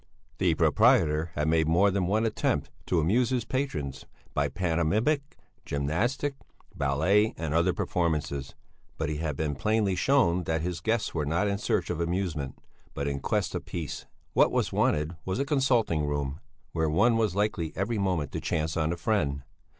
The proprietor had made more than one attempt to amuse his patrons by pantomimic, gymnastic, ballet, and other performances; but he had been plainly shown that his guests were not in search of amusement, but in quest of peace; what was wanted was a consulting room, where one was likely every moment to chance on a friend.